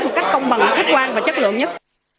một cách công bằng khách quan và chất lượng nhất